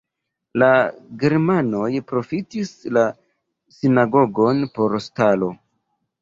La germanoj profitis la sinagogon por stalo.